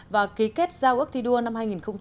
và ký kết giao ước thi đua năm hai nghìn một mươi tám